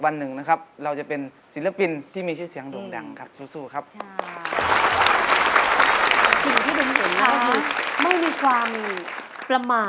แต่พวกเรายังไม่เคยเห็นว่า